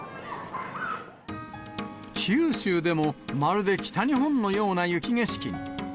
九州でもまるで北日本のような雪景色。